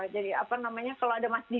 jadi apa namanya kalau ada mbak didi